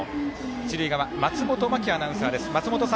一塁側、松本真季アナウンサー。